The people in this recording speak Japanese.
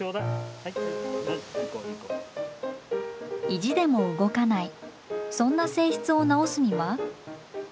意地でも動かないそんな性質を直すには？